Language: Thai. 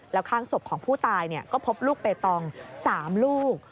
แล้วข้างศพของผู้ตายก็พบลูกเปตอง๓ลูก